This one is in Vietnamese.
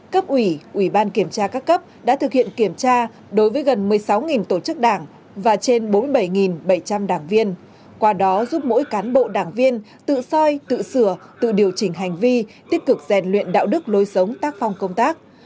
cấp ủy ủy ban kiểm tra các cấp đã thực hiện kiểm tra đối với gần một mươi sáu tổ chức đảng và trên bốn mươi bảy bảy trăm linh đảng viên qua đó giúp mỗi cán bộ đảng viên tự soi tự sửa tự điều chỉnh hành vi tích cực rèn luyện đạo đức lối sống tác phong công tác